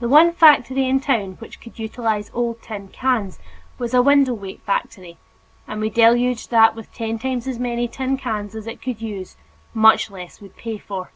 The one factory in town which could utilize old tin cans was a window weight factory, and we deluged that with ten times as many tin cans as it could use much less would pay for.